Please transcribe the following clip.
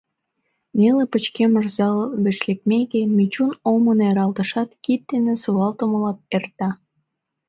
Неле пычкемыш зал гыч лекмеке, Мичун омо нералтышат кид дене солалтымыла эрта.